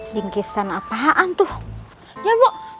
lingkistan apaan tuh ya